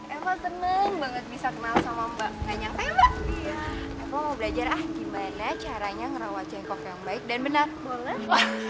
ewa mau belajar ah gimana caranya ngerawat cekok yang baik dan benar boleh